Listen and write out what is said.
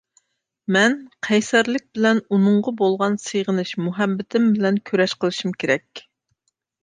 مەن قەيسەرلىك بىلەن ئۇنىڭغا بولغان سېغىنىش، مۇھەببىتىم بىلەن كۈرەش قىلىشىم كېرەك.